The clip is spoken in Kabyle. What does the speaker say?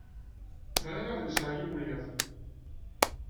Bɣiɣ ad nseɣ yiwen yiḍ.